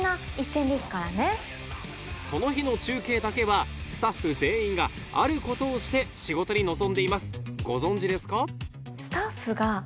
その日の中継だけはスタッフ全員があることをして仕事に臨んでいますご存じですか？